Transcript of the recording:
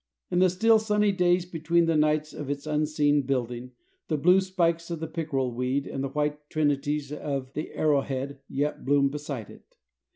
In the still, sunny days between the nights of its unseen building, the blue spikes of the pickerel weed and the white trinities of the arrow head yet bloom beside it.